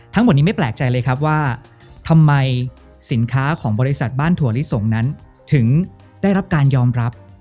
ทั้งหมดนี้ไม่แปลกใจเลยครับว่าทำไมสินค้าของบริษัทบ้านถั่วลิสงนั้นถึงได้รับการยอมรับ